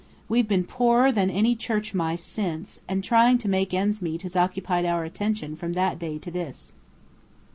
We've been poorer than any church mice since, and trying to make ends meet has occupied our attention from that day to this.